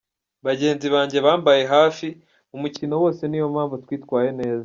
Bagenzi banjye bambaye hafi mu mukino wose niyo mpamvu twitwaye neza.